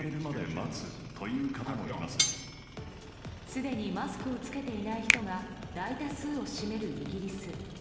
すでにマスクを着けていない人が大多数を占めるイギリス。